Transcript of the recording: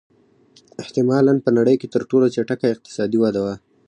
احتمالًا په نړۍ کې تر ټولو چټکه اقتصادي وده وه.